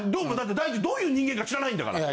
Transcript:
第一どういう人間か知らないんだから。